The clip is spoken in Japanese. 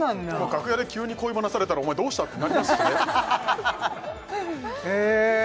楽屋で急に恋バナされたら「お前どうした？」ってなりますしへえ